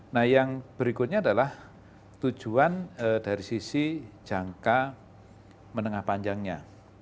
nah yang berikutnya adalah tujuan dari sisi jangka menengah panjangnya